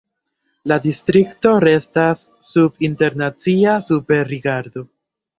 La distrikto restas sub internacia superrigardo.